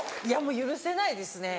許せないですね。